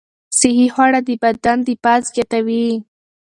صحي خواړه د بدن دفاع زیاتوي.